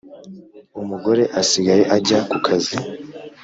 umugore asigaye ajya ku kazi